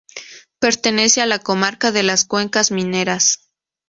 Pertenece a la comarca de las Cuencas Mineras.